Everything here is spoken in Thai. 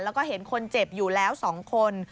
แล้วก็เห็นคนเจ็บอยู่แล้ว๒คน